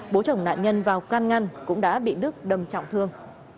bố chồng nạn nhân vào can ngăn cũng đã bị đức đâm trọng thương